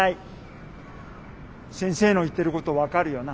先生の言ってること分かるよな。